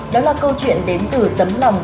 đó là câu chuyện đến từ tấm lòng